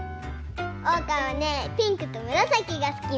おうかはねピンクとむらさきがすきなの！